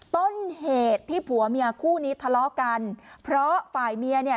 ต้นเหตุที่ผัวเมียคู่นี้ทะเลาะกันเพราะฝ่ายเมียเนี่ย